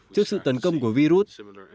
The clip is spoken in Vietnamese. trước sự tấn công của virus